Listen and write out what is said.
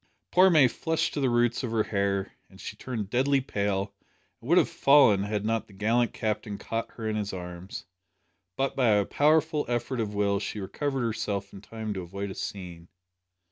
Poor May flushed to the roots of her hair; then she turned deadly pale, and would have fallen had not the gallant Captain caught her in his arms. But by a powerful effort of will she recovered herself in time to avoid a scene.